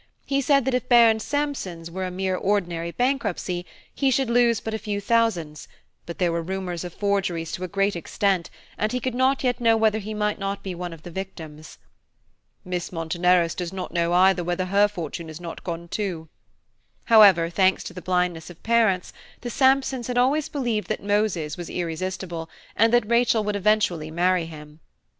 He said that if Baron Sampson's were a mere ordinary bankruptcy, he should lose but a few thousands; but there were rumours of forgeries to a great extent, and he could not yet know whether he might not be one of the victims. "Miss Monteneros does not know, either, whether her fortune is not gone too." However, thanks to the blindness of parents, the Sampsons had always believed that Moses was irresistible, and that Rachel would eventually marry him.